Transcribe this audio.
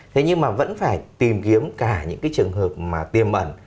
thế nhưng mà vẫn phải tìm kiếm cả những cái trường hợp mà tiềm ẩn